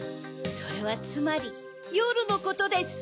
それはつまりよるのことです！